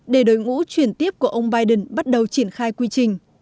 để đối ngũ chuyển tiếp của ông biden bắt đầu triển khai quy trình